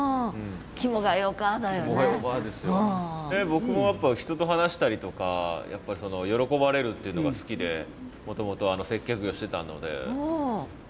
僕もやっぱ人と話したりとかやっぱりその喜ばれるっていうのが好きでもともと接客業してたので。